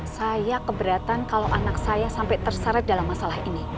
saya keberatan kalau anak saya sampai terseret dalam masalah ini